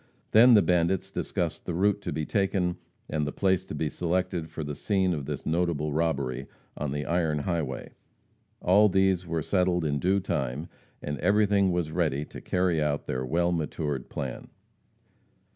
Then the bandits discussed the route to be taken, and the place to be selected for the scene of this notable robbery, on the iron highway. All these were settled in due time, and everything was ready to carry out their well matured plan.